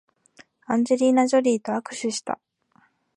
アンジェリーナジョリーと握手した